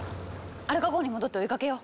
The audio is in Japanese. アルカ号に戻って追いかけよう！